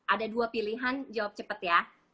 ada dua pilihan jawab cepat ya